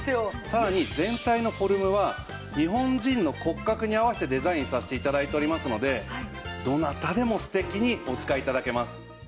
さらに全体のフォルムは日本人の骨格に合わせてデザインさせて頂いておりますのでどなたでも素敵にお使い頂けます。